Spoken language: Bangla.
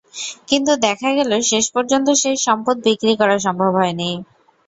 কিন্তু দেখা গেল, শেষ পর্যন্ত সেই সম্পদ বিক্রি করা সম্ভব হয়নি।